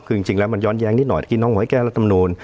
คือจริงแล้วมันย้อนแยงนิดหน่อยน้องของให้แก้รถนำนวน